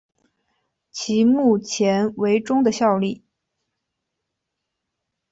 其目前为中的效力。